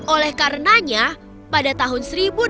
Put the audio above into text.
oleh karenanya pada tahun seribu delapan ratus dua puluh delapan